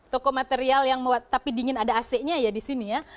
toko material yang muat tapi dingin ada ac nya ya di sini ya